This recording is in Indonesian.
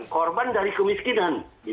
korban dari kemiskinan